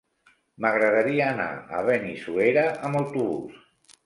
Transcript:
M'agradaria anar a Benissuera amb autobús.